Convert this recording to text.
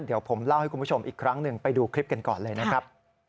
เดี๋ยวผมเล่าให้คุณผู้ชมอีกครั้งหนึ่งไปดูคลิปกันก่อนเลยนะครับ